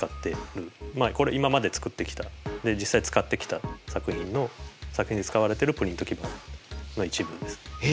これ今まで作ってきた実際に使ってきた作品の作品に使われてるプリント基板の一部です。